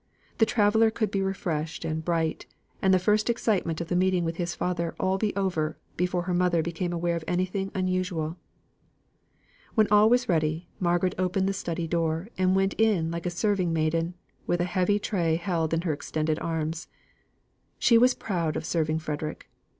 The traveller could be refreshed and bright, and the first excitement of the meeting with his father all be over, before her mother became aware of anything unusual. When all was ready, Margaret opened the study door, and went in like a serving maiden, with a heavy tray held in her extended arms. She was proud of serving Frederick.